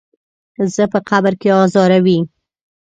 زه په قبر کې ازاروي.